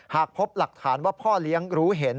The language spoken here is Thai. หากพบหลักฐานว่าพ่อเลี้ยงรู้เห็น